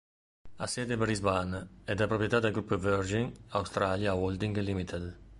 Ha sede a Brisbane ed è di proprietà del gruppo Virgin Australia Holdings Limited.